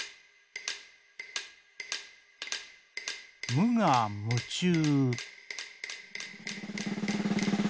「むがむちゅう」。